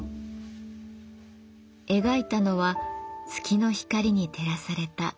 描いたのは月の光に照らされた満開の桜。